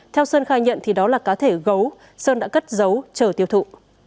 theo sơn khai nhận đó là cá thể gấu sơn đã cất giấu chờ tiêu thụ